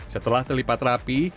setelah terlipat rapi